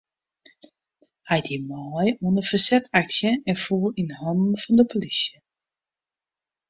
Hy die mei oan in fersetsaksje en foel yn hannen fan de polysje.